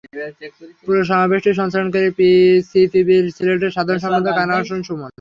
পুরো সমাবেশটি সঞ্চালন করেন সিপিবির সিলেটের সাধারণ সম্পাদক আনোয়ার হোসেন সুমন।